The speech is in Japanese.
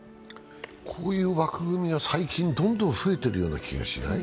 こういう枠組みが最近どんどん増えているような気がしない？